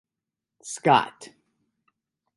Scot.